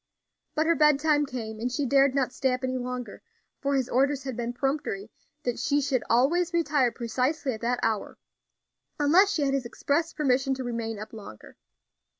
But her bedtime came and she dared not stay up any longer; for his orders had been peremptory that she should always retire precisely at that hour, unless she had his express permission to remain up longer.